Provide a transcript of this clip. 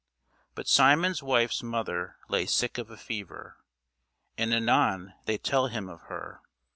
But Simon's wife's mother lay sick of a fever, and anon they tell him of her.